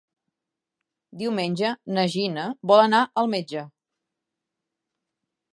Diumenge na Gina vol anar al metge.